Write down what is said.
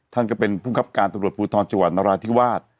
ท่านก็เป็นภูมิคับการตำรวจภูทรจังหวัดนราธิวาส